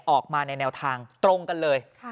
ออกมาในแนวทางตรงกันเลย